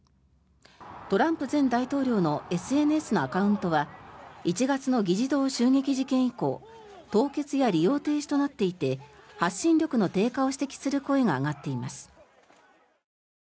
トランプ前大統領のＳＮＳのアカウントは１月の議事堂襲撃事件以降凍結や利用停止となっていて発信力の低下を指摘する声が上がっています。